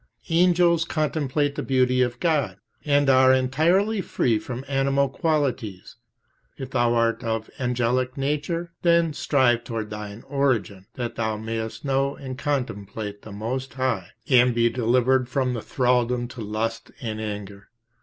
Angels contemplate the beauty of God, and are entirely free from animal qualities; if thou art of angelic nature, then strive towards thine origin, that thou mayest know and contemplate the Most High, and be delivered from the thraldom of lust and anger.